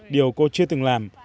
điều cô chưa từng làm